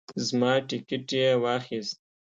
زما ټیکټ یې واخیست.